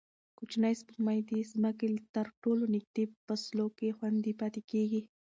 کوچنۍ سپوږمۍ د ځمکې تر ټولو نږدې فاصلو کې خوندي پاتې کېږي.